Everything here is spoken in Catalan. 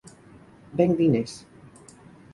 Venc diners.